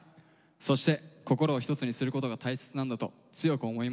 そして心を一つにすることが大切なんだと強く思いました。